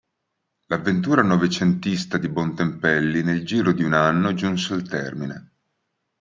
L'"avventura" novecentista di Bontempelli nel giro di un anno giunse al termine.